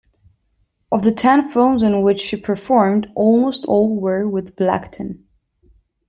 Of the ten films in which she performed, almost all were with Blackton.